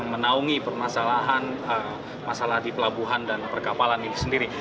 menaungi permasalahan masalah di pelabuhan dan perkapalan ini sendiri